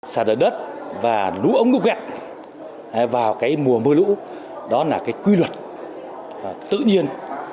sạt lở đất và lũ ống lũ quét vào mùa mưa lũ đó là quy luật tự nhiên